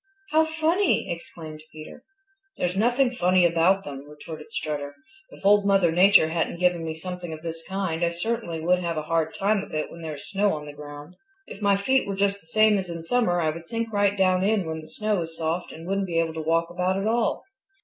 "How funny!" exclaimed Peter. "There's nothing funny about them," retorted Strutter. "If Old Mother Nature hadn't given me something of this kind I certainly would have a hard time of it when there is snow on the ground. If my feet were just the same as in summer I would sink right down in when the snow is soft and wouldn't be able to walk about at all.